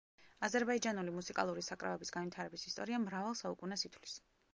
აზერბაიჯანული მუსიკალური საკრავების განვითარების ისტორია მრავალ საუკუნეს ითვლის.